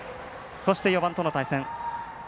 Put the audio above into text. そして、４番との対戦。